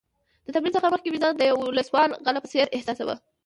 د تمرین څخه مخکې مې ځان د یو وسله وال غله په څېر احساساوه.